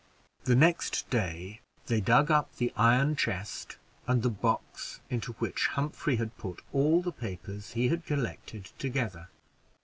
The next day they dug up the iron chest and the box into which Humphrey had put all the papers he had collected together.